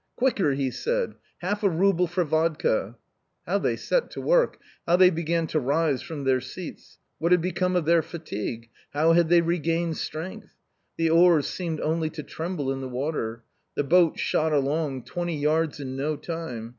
" Quicker !" he said —" half a rouble for vodka !" How they set to work, how they began to rise from their seats ! What had become of their fatigue ? how had they regained strength ? The oars seemed only to tremble in the water. The boat shot along, twenty yards in no time